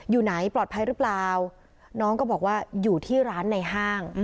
อยู่ไหนปลอดภัยหรือเปล่าน้องก็บอกว่าอยู่ที่ร้านในห้าง